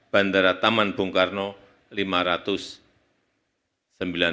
bandara taman bung karno lima ratus sembilan puluh sembilan miliar rupiah